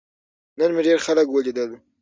نن مې ډیر خلک ولیدل.